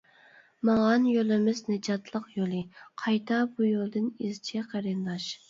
ماڭغان يولىمىز نىجاتلىق يولى، قايتا بۇ يولدىن ئىزچى قېرىنداش.